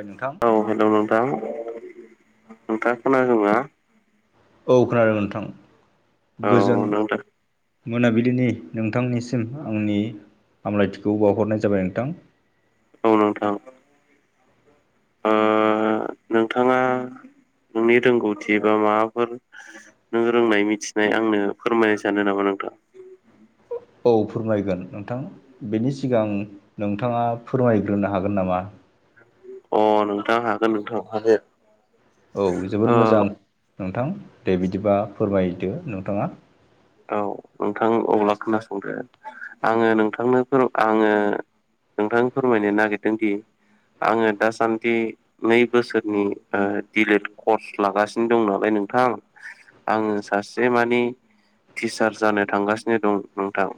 ओ नोंथां औ हेल' नोंथां नोंथाङा खोनादोंना औ खोनादों नोंथां औ गोजोन नोंथां मोनाबिलिनि नोंथांनिसिम आंनि हामलायथिखौ बावहरनाय जाबाय नोंथां औ नोंथां ओ नोंथाङा नोंनि रोंगौथि बा माबाफोर नों रोंनाय मिथिनाय आंनो फोरमायनो सानो नामा नोंथां औ फोरमायगोन नोंथां बेनि सिगां नोंथाङा फोरमायग्रोनो हागोन नामा अ नोंथां हागोन नोंथां हागोन औ ओ जोबोद मोजां नोंथां दे बिदिबा फोरमायदो नोंथाङा औ नोंथां अब्ला खोनासंदो आङो नोंथांनो आङो नोंथां फोरमायनो नागिरदों दि आङो दासान्दि नै बोसोरनि दिलाइड कर्स लागासिनो दं नालाय नोंथां आङो सासे मानि टिचार जानो थांगासिनो दं नोंथां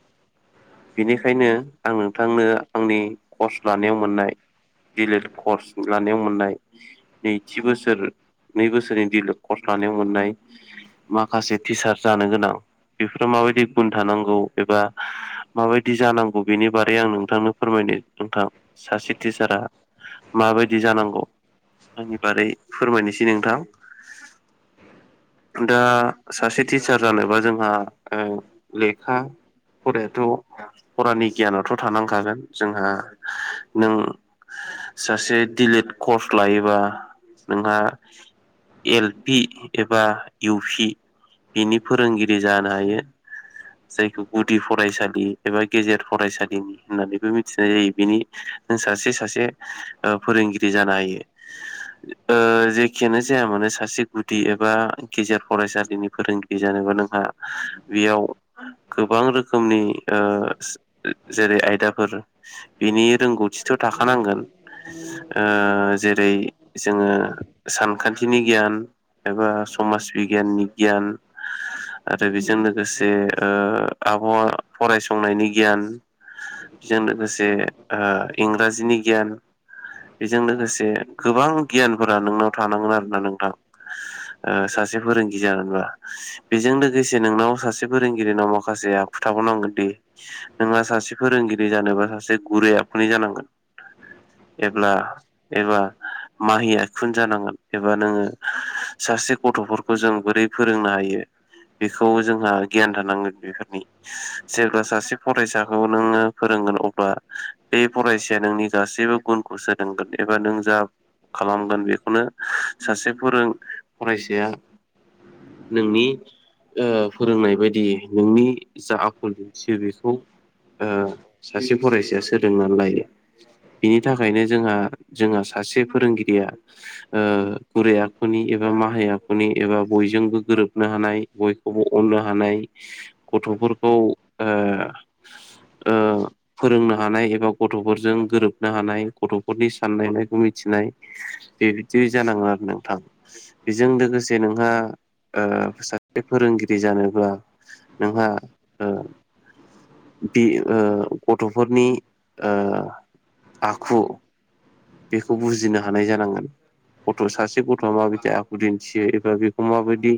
बेनिखायनो आं नोंथांनो आंनि कर्स लानायाव मोननाय दिलाइद कर्स लानायाव मोननाय नैथि बोसोर नै बोसोरनि दिलाइद कर्स लानायाव मोननाय माखासे टिचार जानो गोनां बेफोराव माबायदि गुन थानांगौ एबा माबायदि जानांगौ बेनि बारै आं नोंथांनो फोरमायनो नोंथां सासे टिचारा माबायदि जानांगौ आंनि बारै फोरमायनोसै नोंथां दा सासे टिचार जानोबा जोंहा ओ लेखा फरायाथ' फरानि गियानथ' थानांखागोन जोंहा नों सासे दिलिट कर्स लायोबा नोंहा एल पि एबा इउ पि बिनि फोरोंगिरि जानो दायो जायखौ गुदि फरायसालि एबा गेजेर फरायसालिनि होननानैबो मिथिनाय जायो बिनि जों सासे सासे फोरोंगिरि जानो हायो ओ जेखियानो जाया मानो सासे गुदि एबा गेजेर फरायसालिनि फोरोंगिरि बे जानोबा नोंहा बेयाव गोबां रोखोमनि ओ जेरै आयदाफोर बिनि रोंगौथिथ' थाखानांगोन ओ जेरै जोङो सानखान्थिनि गियान एबा समाज बिगियाननि गियान आरो बेजों लोगोसे ओ आबहावा फरायसंनायनि गियान बेजों लोगोसे ओ इंराजिनि गियान बेजों लोगोसे गोबां गियानफोरा नोंनाव थानांगोन आरोना नोंथां ओ सासे फोरोंगिरि जानोबा बेजों बेजों लोगोसे नोंनाव सासे फोरोंगिरिनाव माखासेया आखु थाबावनांगोन दि नोंहा सासे फोरोंगिरि जानोबा सासे गुरै आखुनि जानांगोन एब्ला एबा माहि आखुनि जानांगोन एबा नोङो सासे गथ'फोरखौ खौ जों बोरै फोरोंनो हायो बेखौ जोंहा गियान थानांगोन बेफोरनि जेब्ला सासे फरायसाखौ नोङो फोरोंगोन अब्ला बे फरायसाया नोंनि गासैबो गुनखौ सोलोंगोन एबा नों जा खालामगोन बेखौनो सासे फोरों फरायसाया नोंनि ओ फोरोंनाय बायदि नोंनि जा आखल दिन्थियो बेखौ ओ सासे फरायसाया सोलोंनानै लायो। बिनि थाखायनो जोंहा-जोंहा सासे फोरोंगिरिया ओ गुरै आखुनि एबा माहाय आखुनि एबा बयजोंबो गोरोबनो हानाय बयखौबो अननो हानाय गथ'फोरखौ ओ ओ फोरोंनो हानाय एबा गथ'फोरजों गोरोबनो हानाय गथ'फोरनि साननाय हनायखौ मिथिनाय बेबायदि जानांगोन आरो नोंथां बेजों लोगोसे नोंहा फोसा बे फोरोंगिरि जानोबा नोंहा ओ बि ओ गथ'फोरनि ओ आखु बेखौ बुजिनो हानाय जानांगोन। गथ' सासे गथ'आ माबायदि आखु दिन्थियो एबा बेखौ माबायदि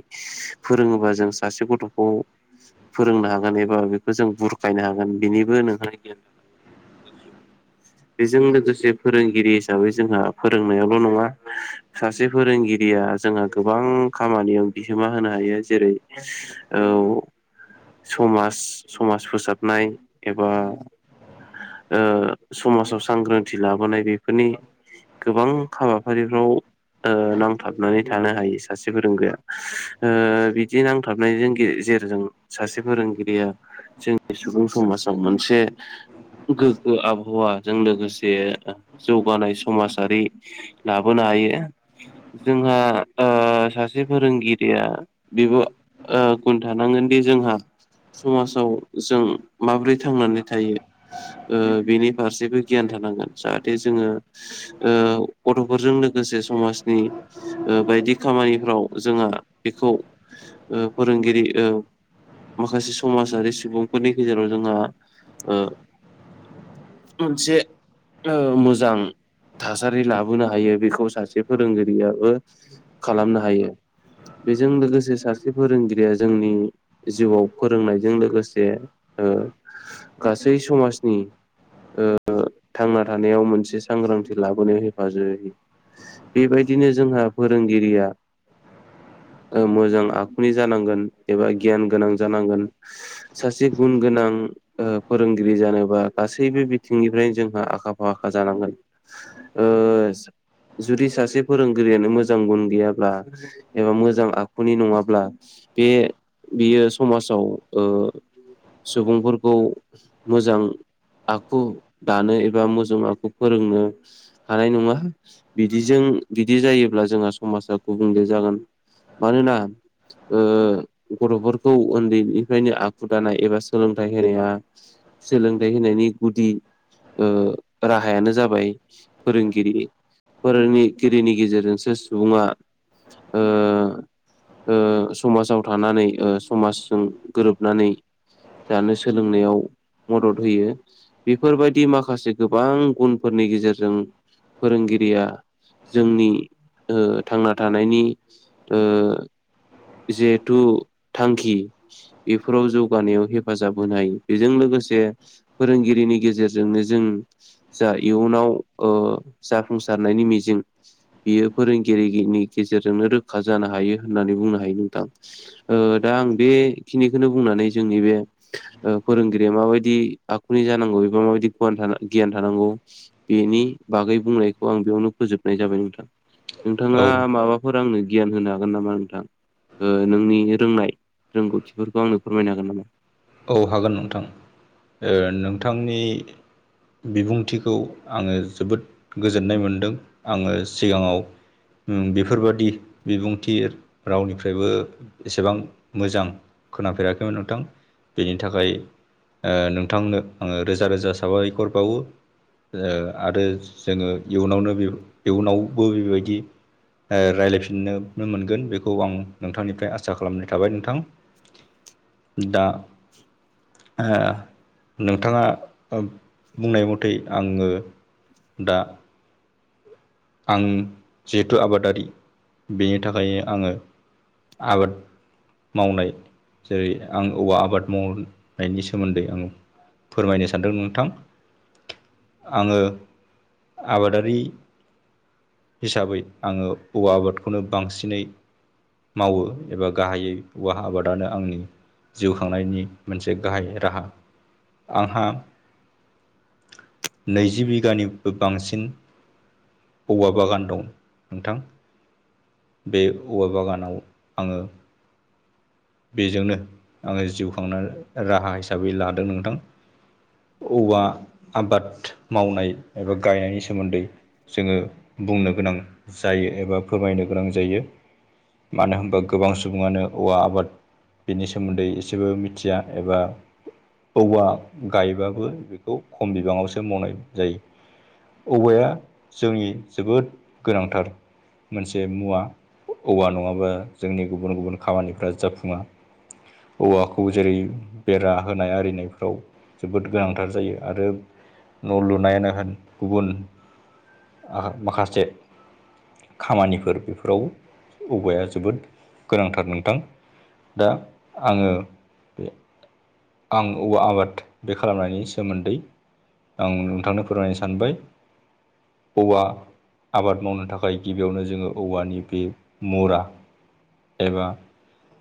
फोरोङोबा जों सासे गथ'खौ फोरोंनो हागोन एबा बेखौ जों बुरखायनो हागोन बेनिबो नोंहा गियान बेजों लोगोसे फोरों गिरि हिसाबै जोंहा फोरोंनायावल' नङा सासे फोरोंगिरिया जोंहा गोबां खामानियाव बिहोमा होनो हायो जेरै औ समाज-समाज फोसाबनाय एबा ओ समाजाव सांग्रांथि लाबोनाय बेफोरनि गोबां हाबाफारिफ्राव ओ नांथाबनानै थानो हायो सासे फोरोंगिरिया बिदि नांथाबनायजों गेजेरजों सासे फोरोंगिरिया जोंनि सुबुं समाजाव मोनसे गोग्गो आबहावाजों लोगोसे जौगानाय समाजारि लाबोनो हायो। जोंहा ओ सासे फोरोंगिरिया बेबो ओ गुन थानांगोनदि जोंहा समाजाव जों माबोरै थांनानै थायो ओ बिनि फारसेबो गियान थानांगोन जाहाथे ङो ओ गथ'फोरजों लोगोसे समाजनि ओ बायदि खामानिफ्राव जोंहा बेखौ ओ फोरोंगिरि ओ माखासे समाजारि सुबुंफोरनि गेजेराव जोंहा ओ मोनसे ओ मोजां थासारि लाबोनो हायो बेखौ सासे फोरोंगिरियाबो खालामनो हायो। बेजों लोगोसे सासे फोरोंगिरिया जोंनि जिउआव फोरोंनायजों लोगोसे ओ गासै समाजनि ओ थांना थानायाव मोनसे सांग्रांथि लाबोनोयाव हेफाजाब होयो। बेबायदिनो जोंहा फोरोंगिरिया ओ मोजां आखुनि जानांगोन एबा गियान गोनां जानांगोन। सासे गुन गोनां ओ फोरोंगिरि जानोबा गासैबो बिथिंनिफ्रायनो जो ओ आखा फाखा जानांगोन ओ जुदि सासे फोरोंगिरियानो मोजां गुन गैयाब्ला एबा मोजां आखुनि नङाब्ला बे बियो समाजाव ओ सुबुंफोरखौ मोजां आखु दानो ए बा मोजां आखु फोरोंनो हानाय नङा बिदिजों बिदि जायोब्ला जोंहा समाजा गुबुंले जागोन। मानोना ओओओ गथ'फोरखौ उन्दैनिफ्रायनो आखु दानाय एबा सोलोंथाइ होनाया। सोलोंथाइ होनायनि गुदि ओ राहायानो जाबाय फोरोंगिरि। फोरोंनिगिरिनि गेजेरजोंसो सुबुङा ओ ओ समाजाव थानानै ओ समाजजों गोरोबनानै जानो सोलोंनायाव मदद होयो बेफोरबायदि माखा माखासे गोबां गुनफोरनि गेजेरजों फोरोंगिरिया। जोंनि ओ थांना थानायनि ओ जिहेथु थांखि बेफोराव जौगानायाव हेफाजाब होनाय बेजों लोगोसे फोरोंगिरिनि गेजेरजोंनो। जों जा इयुनाव ओ जाफुंसारनायनि मिजिं बियो फोरोंगिरिनि गेजेरजोंनो रोखा जानो हायो होननानै बुंनो हायो नोंथां। ओ दा आं बेखिनिखौनो बुंनानै जोंनि बे। ओ फोरोंगिरिया माबायदि आखुनि जानांगौ एबा माबायदि गियान थानांगौ बेनि बागै बुंनायखौ आं बेयावनो फोजोबनाय जाबाय नोंथां। नोंथाङा औ माबाफोर आंनो गियान होनो हागोन नामा नोंथां? ओ नोंनि रोंनाय रोंगौथिफोरखौ आंनो फोरमायनो हागोन नामा? औ हागोन नोंथां ओ नोंथांनि। बिबुंथिखौ आङो जोबोद गोजोननाय मोनदों आङो सिगाङाव बेफोरबादि बिबुंथि रावनिफ्रायबो एसेबां मोजां। खोनाफेराखैमोन नोंथां। बेनि थाखाय नोंथांनो आंङो रोजा रोजा साबायखर बावो। ओ आरो जोङो इयुनावनो इयुनावबो बेबायदि। ओ रायज्लायफिननो मोनगोन बेखौ आं नोंथांनिफ्राय आसा खालामनाय थाबाय नोंथां‌। दा आ नोंथाङा ओ बुंनाय मथै आंङो दा आं जिहेथु आबादारि बेनि थाखायनो आंङो आबाद मावनाय जेरै आं औवा आबाद मावनायनि सोमोन्दै आं फोरमायनो सानदों नोंथां आंङो आबादारि। हिसाबै आंङो औवा आबादखौनो बांसिनै। मावो एबा गाहायै औवा आबादानो आंनि जिउ खांनायनि मोनसे गाहाय राहा आंहा नैजि बिगानिबो बांसिन औवा बागान दं नोंथां बे औवा बागानाव आङो बेजोंनो आङो जिउ खांनाय राहा हिसाबै लादों नोंथां। औवा आबाद मावनाय एबा गायनायनि सोमोन्दै जोङो बुंनो गोनां जायो एबा फोरमायनो गोनां जायो। मानो होनबा गोबां सुबुङानो औवा आबाद बिनि सोमोन्दै एसेबो मिथिया एबा औवा गायबाबो बेखौ खम बिबाङावसो मावनाय जायो। औवाया जोंनि जोबोद गोनांथार मोनसे मुवा औवा नङाबा जोंनि गुबुन गुबुन खामानिफ्रा जाफुं आ औवाखौ जेरै बेरा होनाय आरिनायफ्राव जोबोद गोनांथार जायो आरो न' लुनायानो होन गुबुन आरो माखासे खामानिफोर बेफोराव औवाया जोबोद गोनांथार नोंथां। दा आंङो आं औवा आबाद बे खालामनायनि सोमोन्दै आं नोंथांनो फोरमायनो सानबाय औवा आबाद मावनो थाखाय गिबियावनो जोङो औवानि बे मुरा एबा